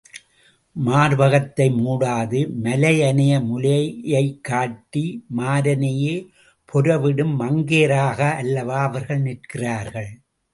மார்பகத்தை மூடாது, மலையனைய முலை காட்டி மாரனையே பொர விடும் மங்கையராக அல்லவா அவர்கள் நிற்கிறார்கள்?